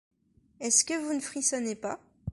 Est-ce que vous ne frissonnez pas ?